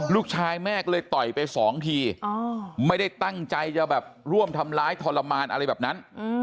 ลูกชายแม่ก็เลยต่อยไปสองทีไม่ได้ตั้งใจจะแบบร่วมทำร้ายทรมานอะไรแบบนั้น